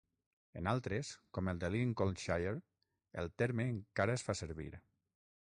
En altres, com el de Lincolnshire, el terme encara es fa servir.